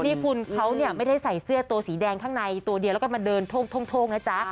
นี่คุณเขาเนี่ยไม่ได้ใส่เสื้อตัวสีแดงข้างในตัวเดียวแล้วก็มาเดินโท่งนะจ๊ะ